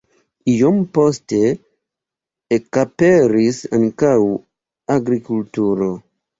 Iom poste ekaperis ankaŭ agrikulturo.